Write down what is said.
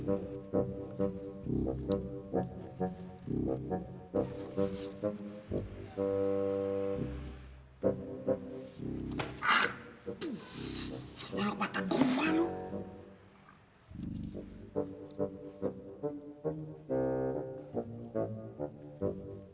aduh nyeluk mata gue lo